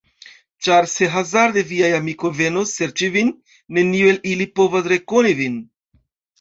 Ĉar se hazarde viaj amikoj venos serĉi vin, neniu el ili povos rekoni vin.